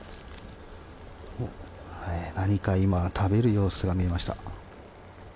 何か今食べる様子が見えました。